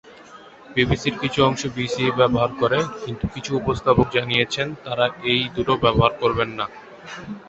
বিবিসির কিছু অংশ বিসিই/সিই ব্যবহার করে, কিন্তু কিছু উপস্থাপক জানিয়েছেন তারা এই দুটো ব্যবহার করবেন না।